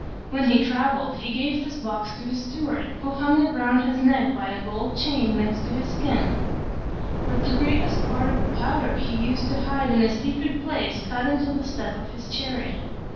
When he travelled, he gave this box to his steward, who hung it round his neck by a gold chain next his skin. But the greatest part of the powder he used to hide in a secret place cut into the step of his chariot.